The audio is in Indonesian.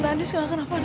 ya allah angkat dong